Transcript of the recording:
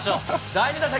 第２打席。